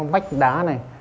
nó bách đá này